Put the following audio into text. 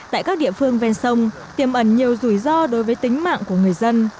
tại các địa phương ven sông tiềm ẩn nhiều rủi ro đối với tính mạng của người dân